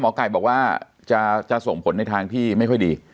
ไก่บอกว่าจะส่งผลในทางที่ไม่ค่อยดี